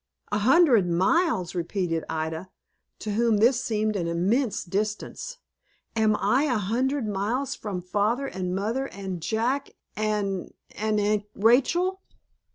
"A hundred miles!" repeated Ida, to whom this seemed an immense distance. "Am I a hundred miles from father and mother, and Jack, and and Aunt Rachel?"